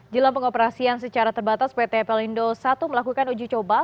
jelang pengoperasian secara terbatas pt pelindo i melakukan uji coba